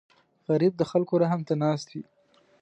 غریب د خلکو رحم ته ناست وي